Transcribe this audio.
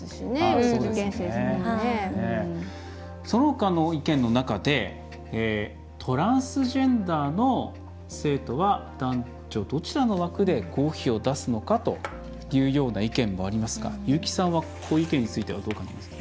そのほかの意見の中でトランスジェンダーの生徒は男女どちらの枠で合否を出すのかというような意見もありますが優木さんはこの意見についてどう感じますか？